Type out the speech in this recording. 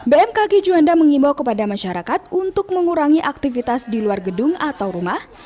bmkg juanda mengimbau kepada masyarakat untuk mengurangi aktivitas di luar gedung atau rumah